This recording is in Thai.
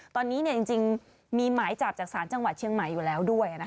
ตอนนี้จริงมีหมายจับจากศาลจังหวัดเชียงใหม่อยู่แล้วด้วย